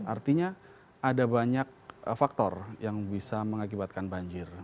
artinya ada banyak faktor yang bisa mengakibatkan banjir